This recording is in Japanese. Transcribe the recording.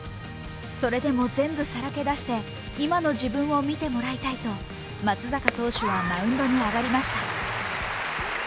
それでま全部さらけ出して今の自分を見てもらいたいと、松坂投手はマウンドに上がりました。